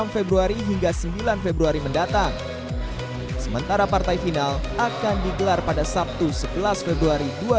enam februari hingga sembilan februari mendatang sementara partai final akan digelar pada sabtu sebelas februari